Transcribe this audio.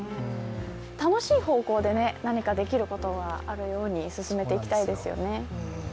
楽しい方向で何かできることがあるように進めていきたいですよね。